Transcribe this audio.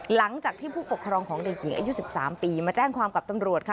หลังจากที่ผู้ปกครองของเด็กหญิงอายุ๑๓ปีมาแจ้งความกับตำรวจค่ะ